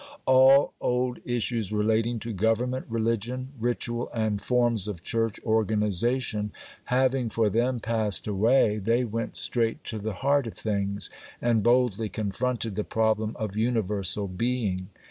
All old issues relating to government, religion, ritual, and forms of church organization having for them passed away, they went straight to the heart of things, and boldly confronted the problem of universal being.